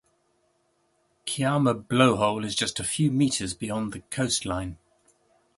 Kiama Blowhole is just a few metres beyond the coastline.